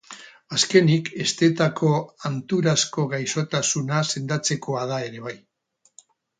Azkenik, hesteetako hanturazko gaixotasuna sendatzekoa da ere bai.